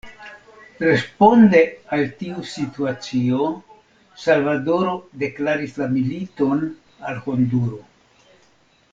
Responde al tiu situacio, Salvadoro deklaris la militon al Honduro.